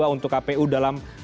untuk kpu dalam